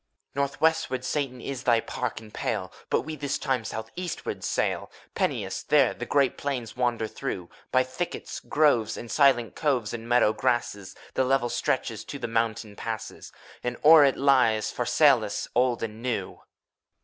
HOMUNCULUS. Northwestwards, Satan, is thy park and pale, But we, this time, southeastwards sail. 80 FAUST, Peneus, there, the great plain wanders through, By thickets, groves, and silent coves, and meadow grasses; The level stretches to the mountain passes, And o'er it lies Pharsalus, old and new.